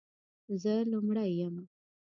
زه لومړۍ یم،